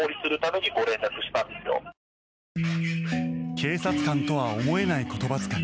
警察官とは思えない言葉遣い。